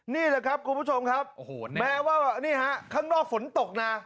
นี่แหละครับคุณผู้ชมครับแม้ว่านี่ฮะข้างนอกฝนตกนะ